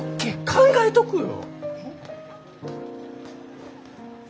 考えとくよ。